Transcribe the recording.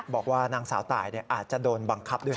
บอกว่านางสาวตายอาจจะโดนบังคับด้วย